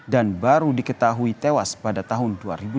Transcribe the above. dan baru diketahui tewas pada tahun dua ribu dua puluh empat